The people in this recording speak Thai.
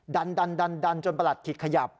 ดันจนประหลัดขิกขยับ